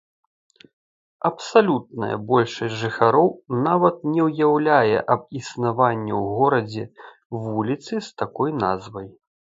Абсалютная большасць жыхароў нават не ўяўляе аб існаванні ў горадзе вуліцы з такой назвай.